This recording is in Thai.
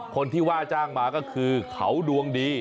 คนที่ว่าจ้างมาก็คือเขาดวงดี